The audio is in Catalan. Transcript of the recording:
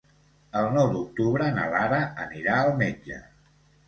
El nou d'octubre na Lara anirà al metge.